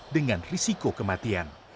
dengan risiko kematian